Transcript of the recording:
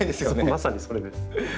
まさにそれです。